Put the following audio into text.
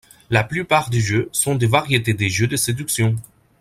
La plupart des jeux sont des variétés de jeux de séduction.